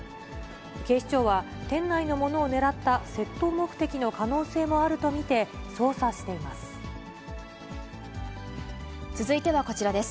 警視庁は、店内のものを狙った窃盗目的の可能性もあると見て、捜査しています。